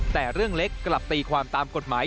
แต่เรื่องเล็กกลับตีความตามกฎหมาย